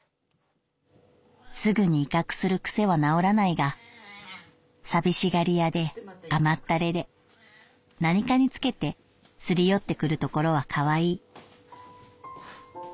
すぐに威嚇する癖は治らないが寂しがり屋で甘ったれで何かにつけてすり寄ってくるところは可愛い」。